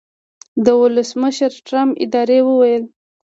د ولسمشرټرمپ ادارې وویل